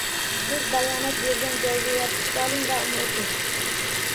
Siz bayonot bergan joyga yopishib oling va uni o'qing